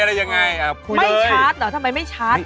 ไม่ชาร์นเหรอทำไมไม่ชาร์น